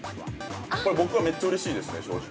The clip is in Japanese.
◆これ、僕はめっちゃうれしいですね、正直。